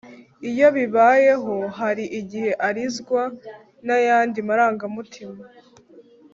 iyo bibayeho, hari igihe arizwa n’ayandi marangamutima